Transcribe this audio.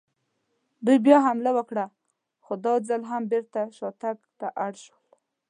دوی بیا حمله وکړه، خو دا ځل هم بېرته شاتګ ته اړ شول.